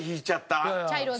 茶色で？